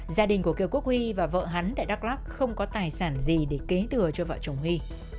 gia đình của kiều quốc huy và vợ hắn tại đắk lắc không có tài sản gì để kế thừa cho vợ chồng huy